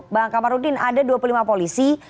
bang kamarudin ada dua puluh lima polisi